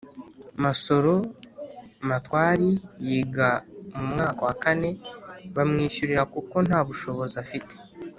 Masoro Matwari yiga mu mwaka wa kane bamwishyurira kuko nta bushobozi afite